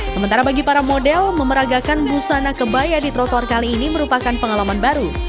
sementara bagi para model memeragakan busana kebaya di trotoar kali ini merupakan pengalaman baru